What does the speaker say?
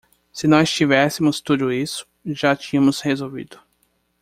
Se nós tivéssemos tudo isso, já tínhamos resolvido